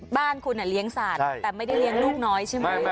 บ้านคุณเลี้ยงสัตว์แต่ไม่ได้เลี้ยงลูกน้อยใช่ไหม